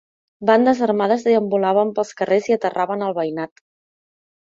Bandes armades deambulaven pels carrers i aterraven el veïnat.